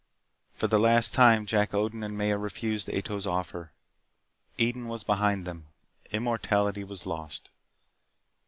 For the last time Jack Odin and Maya refused Ato's offer. Eden was behind him. Immortality was lost.